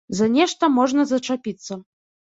За нешта можна зачапіцца.